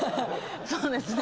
そうですね。